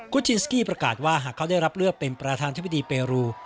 จินสกี้ประกาศว่าหากเขาได้รับเลือกเป็นประธานธิบดีเปรู